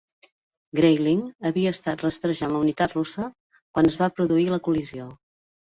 "Grayling" havia estat rastrejant la unitat russa quan es va produir la col·lisió.